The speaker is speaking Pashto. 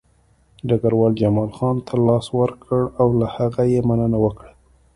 ډګروال جمال خان ته لاس ورکړ او له هغه یې مننه وکړه